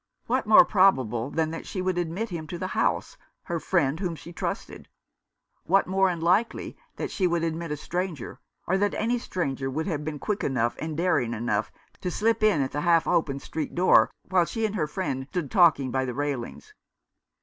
What more probable than that she would admit him to the house, her friend whom she trusted ? What more unlikely that she would admit a stranger, or that any stranger would have been quick enough and daring enough to slip in at the half open street door, while she and her friend stood talking by the railings